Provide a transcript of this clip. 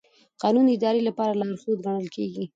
قانون د ادارې لپاره لارښود ګڼل کېږي.